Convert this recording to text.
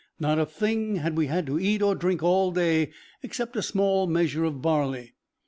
Not a thing had we had to eat or drink all day except a small measure of barley.